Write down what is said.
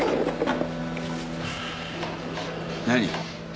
何？